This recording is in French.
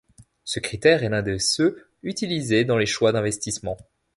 Ce critère est l'un de ceux utilisés dans les choix d'investissement.